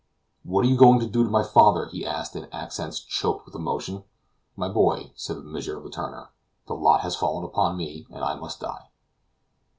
"What are you going to do to my father?" he asked in accents choked with emotion. "My boy," said M. Letourneur, "the lot has fallen upon me, and I must die!"